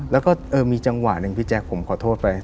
แล้วก็มีจังหวะหนึ่งพี่แจ๊คผมขอโทษไป